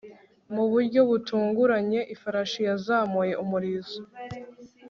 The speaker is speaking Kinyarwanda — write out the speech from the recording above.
mu buryo butunguranye, ifarashi yazamuye umurizo